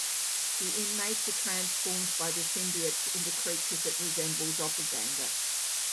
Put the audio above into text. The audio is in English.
The inmates are transformed by the symbiotes into creatures that resemble Doppelganger.